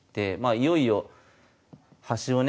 いよいよ端をね